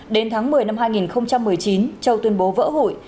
đến tháng một mươi năm hai nghìn một mươi chín châu tuyên bố vỡ hụi